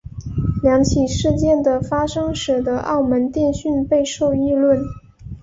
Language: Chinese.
两起事件的发生使得澳门电讯备受议论。